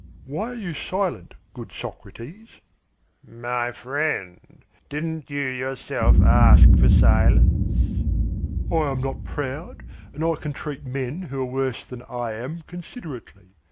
"Why are you silent, good Socrates?" "My friend; didn't you yourself ask for silence?" "I am not proud, and I can treat men who are worse than I am considerately.